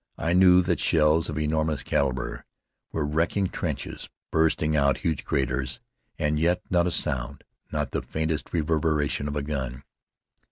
I knew that shells of enormous calibre were wrecking trenches, blasting out huge craters; and yet not a sound, not the faintest reverberation of a gun.